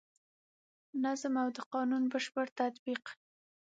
نظم او د قانون بشپړ تطبیق.